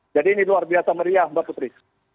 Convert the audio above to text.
jadi ini luar biasa meriah mbak putri